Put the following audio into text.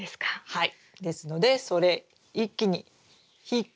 はい。